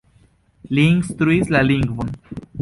Li instruis la lingvon.